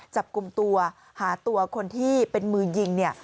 จับกลุ่มตัวหาตัวคนที่เป็นมือยิงเนี่ย